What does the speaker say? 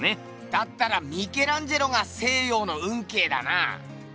だったらミケランジェロが「西洋の運慶」だな。